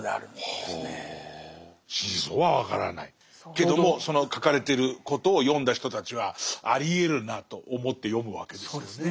けどもその書かれてることを読んだ人たちはありえるなと思って読むわけですよね。